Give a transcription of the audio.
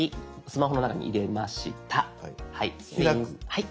はい。